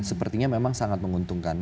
sepertinya memang sangat menguntungkan